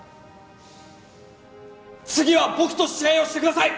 次は僕と試合をしてください！